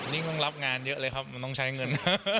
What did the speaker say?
นี่ต้องรับงานเยอะเลยครับมันต้องใช้เงิน